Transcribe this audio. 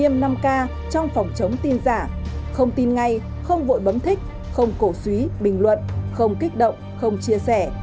nghiêm năm k trong phòng chống tin giả không tin ngay không vội bấm thích không cổ suý bình luận không kích động không chia sẻ